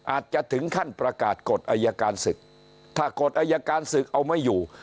อาจจะถึงขั้นประกาศกฎอายการศึกถ้ากฎอายการศึกเอาไม่อยู่